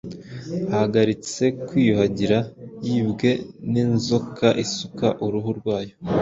ahagaritse kwiyuhagirayibwe ninzokaisuka uruhu rwayo